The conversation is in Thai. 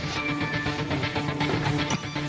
สวัสดีครับสวัสดีครับ